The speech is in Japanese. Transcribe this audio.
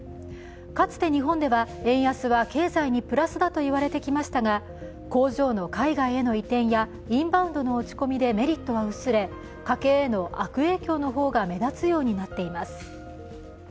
かつて日本では円安は経済にプラスだといわれていましたが工場の海外への移転やインバウンドの落ち込みでメリットは薄れ家計への悪影響の方が目立つようになっています。